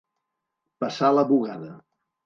Passar la bugada.